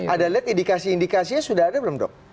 ada lihat indikasi indikasinya sudah ada belum dok